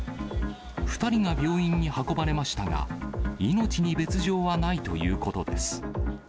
２人が病院に運ばれましたが、命に別状はないということです。